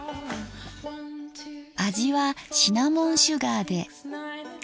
味はシナモンシュガーで。